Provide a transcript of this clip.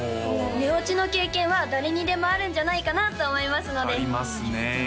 寝落ちの経験は誰にでもあるんじゃないかなと思いますのでありますね